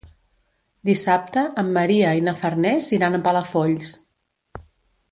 Dissabte en Maria i na Farners iran a Palafolls.